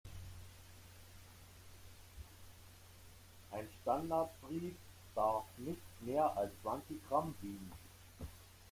Ein Standardbrief darf nicht mehr als zwanzig Gramm wiegen.